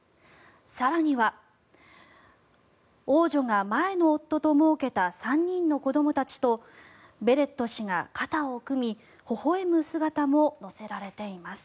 更には、王女が前の夫ともうけた３人の子どもたちとベレット氏が肩を組みほほ笑む姿も載せられています。